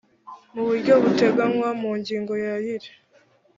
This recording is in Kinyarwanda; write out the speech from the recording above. mu buryo buteganywa mu ngingo ya y iri